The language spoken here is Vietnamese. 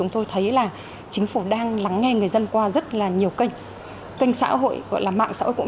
tôi thấy là chính phủ đang lắng nghe người dân qua rất là nhiều kênh kênh xã hội gọi là mạng xã hội cũng